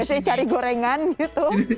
biasanya cari gorengan gitu